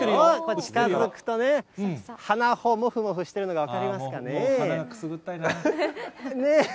近づくとね、花穂、もふもふしているのが分かりますかね。